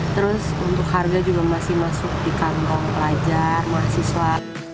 terus untuk harga juga masih masuk di kantong pelajar mahasiswa